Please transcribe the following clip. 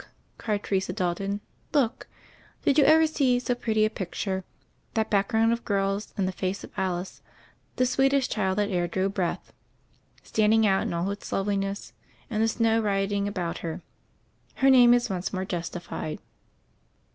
cried Teresa Dalton, "Lookl Did you ever see so pretty a picture — that back ground of girls and the face of Alice, 'the sweet est child that e'er drew breath,' standing out in all its loveliness, and the snow rioting about her. Her name is once more justified."